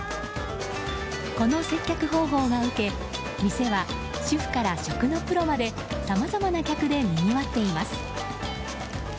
この接客方法が受け、店は主婦から食のプロまでさまざまな客でにぎわっています。